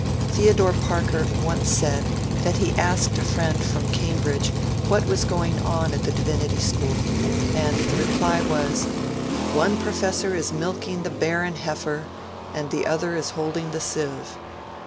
Theodore Parker once said that he asked a friend from Cambridge what was going on at the Divinity School, and the reply was, ^^ One professor is milking the barren heifer and the other is holding the sieve."